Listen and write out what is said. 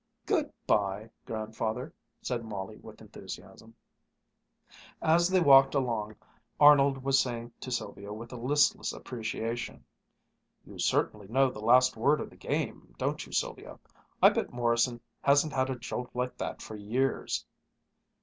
"Good bye, Grandfather," said Molly with enthusiasm. As they walked along, Arnold was saying to Sylvia with a listless appreciation: "You certainly know the last word of the game, don't you, Sylvia? I bet Morrison hasn't had a jolt like that for years."